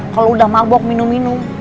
kalo udah mabuk minum minum